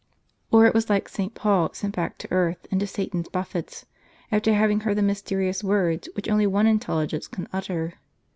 Or, it was like St. Paul sent back to earth and to Satan's buffets, after having heard the mysterious words which only one Intelligence can utter.